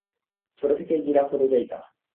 ছোট থেকেই জিরাফ হতে চাইতাম।